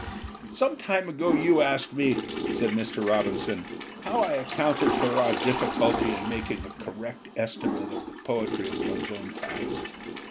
"Some time ago you asked me," said Mr. Robinson, "how I accounted for our difficulty in making a correct estimate of the poetry of one's own time.